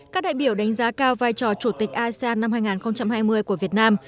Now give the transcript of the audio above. các đại biểu đánh giá cao vai trò chủ tịch asean năm hai nghìn hai mươi của việt nam